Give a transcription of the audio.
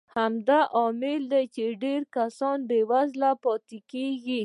همدا لامل دی چې ډېر کسان بېوزله پاتې کېږي.